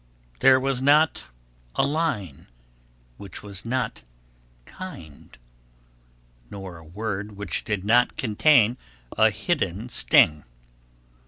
There was not a line which was not kind, nor a word which did not contain a hidden sting.